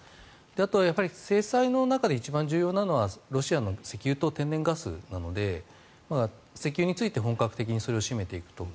あとは制裁の中で一番重要なのはロシアの石油と天然ガスなので石油について本格的にそれを締めていくと。